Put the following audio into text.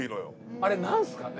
あれ何すかね